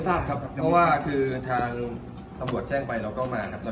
สร้างครับเพราะว่าคือทางสมบวทแจ้งไปแล้วก็มาค่ะเรา